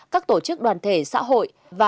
các tổ chức đoàn thể xã hội